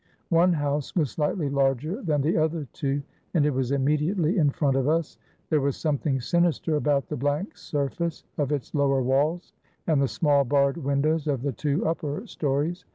One house was slightly larger than the other two, and it was imme diately in front of us. There was something sinister about the blank surface of its lower walls, and the small barred windows of the two upper stories.